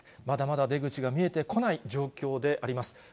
まだまだ出口が見えてこない状況であります。